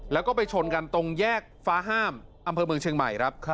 แล้วก็ไปชนกันตรงแยกฟ้าห้ามอำเภอเมืองเชียงใหม่ครับ